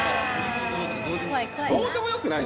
どうでもよくない